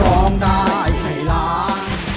ร้องได้ให้ล้าน